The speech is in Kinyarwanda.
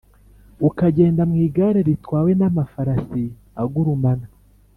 ukagenda mu igare ritwawe n’amafarasi agurumana;